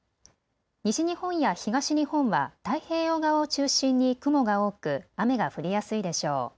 西日本や東日本は太平洋側を中心に雲が多く雨が降りやすいでしょう。